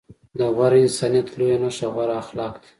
د غوره انسانيت لويه نښه غوره اخلاق دي.